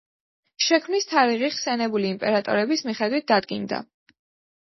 შექმნის თარიღი ხსენებული იმპერატორების მიხედვით დადგინდა.